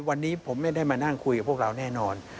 วันนี้ผมไม่ได้มานั่งคุยกับพวกเราแน่นอน